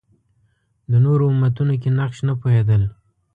د نورو امتونو کې نقش نه پوهېدل